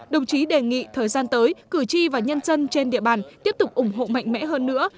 đồng chí đề nghị thời gian tới cử tri và nhân dân trên địa bàn tiếp tục ủng hộ mạnh mẽ hơn nữa